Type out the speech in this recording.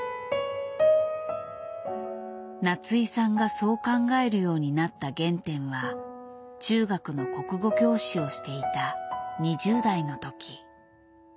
夏井さんがそう考えるようになった原点は中学の国語教師をしていた２０代のとき。